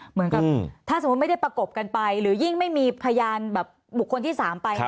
เหมือนกับถ้าสมมุติไม่ได้ประกบกันไปหรือยิ่งไม่มีพยานแบบบุคคลที่๓ไป